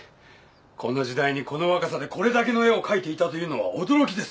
この時代にこの若さでこれだけの絵を描いていたというのは驚きです！